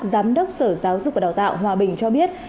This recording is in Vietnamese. giám đốc sở giáo dục và đào tạo hòa bình cho biết